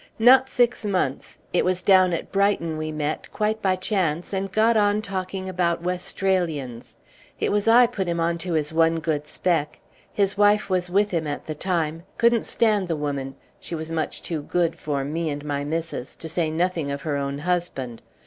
"Not six months; it was down at Brighton we met, quite by chance, and got on talking about Westralians. It was I put him on to his one good spec. His wife was with him at the time couldn't stand the woman! She was much too good for me and my missus, to say nothing of her own husband.